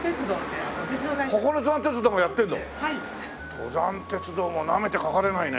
登山鉄道もなめてかかれないね。